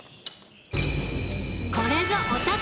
「これぞお宝！